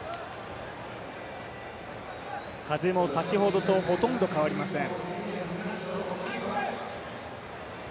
風も先ほどとほとんど変わりません。